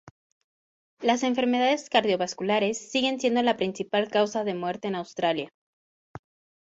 Las enfermedades cardiovasculares siguen siendo la principal causa de muerte en Australia.